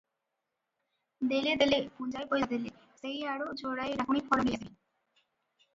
ଦେଲେ ଦେଲେ, ପୁଞ୍ଜାଏ ପଇସା ଦେଲେ, ସେଇଆଡ଼ୁ ଯୋଡ଼ାଏ ଡାକୁଣୀ ଫଳ ଘେନି ଆସିବି ।"